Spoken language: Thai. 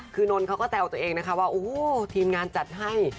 คือนนท์เขาก็แซวตัวเองนะคะว่าโอ้โหทีมงานจัดให้